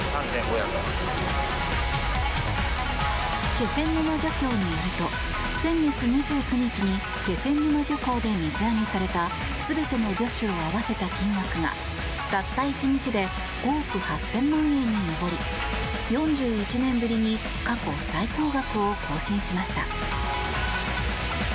気仙沼漁協によると先月２９日に気仙沼漁港で水揚げされた全ての魚種を合わせた金額がたった１日で５億８０００万円に上り４１年ぶりに過去最高額を更新しました。